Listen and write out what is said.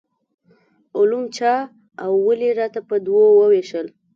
علوم چا او ولې راته په دوو وویشل.